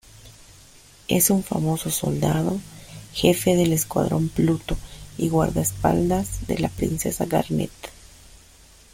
Es un famoso soldado, jefe del escuadrón Pluto y guardaespaldas de la princesa Garnet.